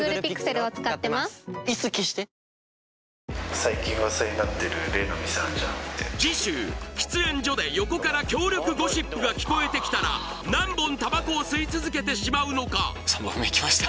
最近噂になってる例の店あんじゃん次週喫煙所で横から強力ゴシップが聞こえてきたら何本タバコを吸い続けてしまうのか３本目いきました